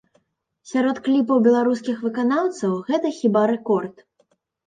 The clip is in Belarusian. Сярод кліпаў беларускіх выканаўцаў гэта хіба рэкорд.